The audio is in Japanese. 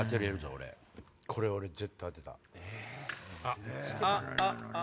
俺これ俺絶対当てた。